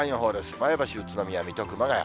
前橋、宇都宮、水戸、熊谷。